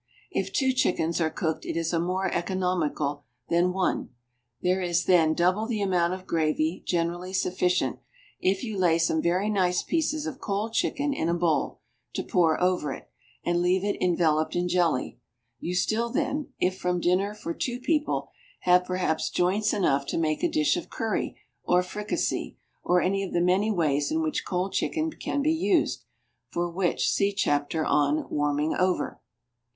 If two chickens are cooked it is more economical than one; there is, then, double the amount of gravy, generally sufficient, if you lay some very nice pieces of cold chicken in a bowl, to pour over it and leave it enveloped in jelly; you still then, if from dinner for two people, have perhaps joints enough to make a dish of curry or fricassee, or any of the many ways in which cold chicken may be used, for which see chapter on "Warming Over."